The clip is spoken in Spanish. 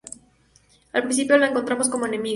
Al principio la encontramos como enemiga.